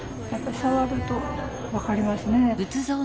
やっぱりさわると分かりますね。